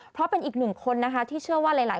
เพราะเป็นอีกหนึ่งคนนะคะที่เชื่อว่าหลาย